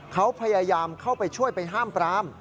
เขาพยายามเข้าไปช่วยไปห้ามปราม